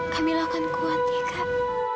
kak mila akan kuat ya kak